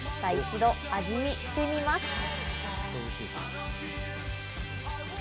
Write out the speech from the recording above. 一度、味見してみます。